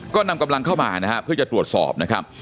ก็นำกำลังเข้ามานะฮะเพื่อจะตรวจสอบนะครับ